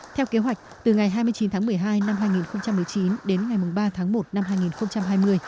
theo kế hoạch từ ngày hai mươi chín tháng một mươi hai năm hai nghìn một mươi chín đến ngày ba tháng một năm hai nghìn hai mươi